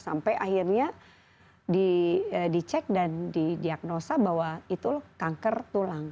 sampai akhirnya dicek dan didiagnosa bahwa itu kanker tulang